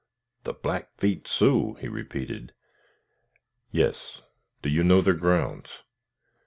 "The Blackfeet Sioux?" he repeated. "Yes; do you know their grounds?"